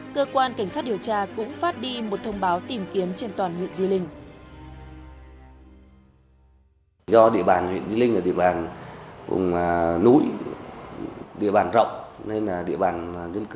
cơ quan cảnh sát điều tra cũng phát đi một thông báo tìm kiếm trên toàn huyện di linh